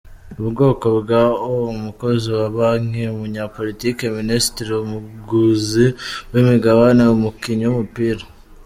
Ubwoko bwa O: umukozi wa Banki, umunyapolitiki, Minisitiri, umuguzi w’imigabane, umukinnyi w’umupira.